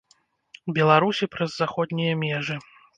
Беларусі праз заходнія межы.